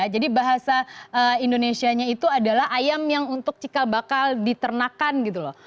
jadi bahasa indonesia nya itu adalah ayam yang untuk cikal bakal diternakan gitu loh